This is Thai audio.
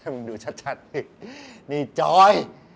มันดูชัดดินี่จอย